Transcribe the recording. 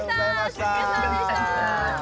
椎谷さんでした。